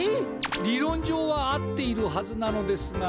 理ろん上は合っているはずなのですが。